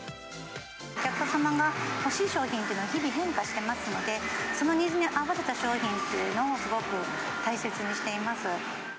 お客様が欲しい商品というのは、日々変化していますので、そのニーズに合わせた商品というのを、すごく大切にしています。